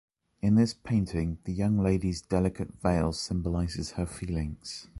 In this painting, the young lady’s delicate veil symbolizes her feelings.